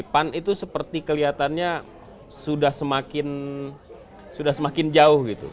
pan itu seperti kelihatannya sudah semakin jauh gitu